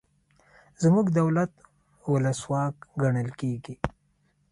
زموږ دولت ولسواک ګڼل کیږي.